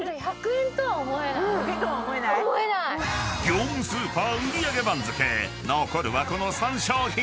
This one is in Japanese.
［業務スーパー売上番付残るはこの３商品］